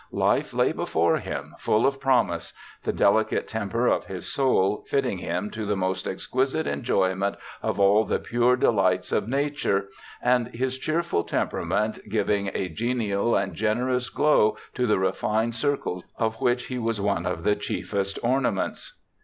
Life lay before him, full of promise ; the delicate temper of his soul fitting him to the most exqui site enjoyment of all the pure delights of nature, and his cheerful temperament giving a genial and generous glow to the refined circles of which he was one of the chiefest ornaments.'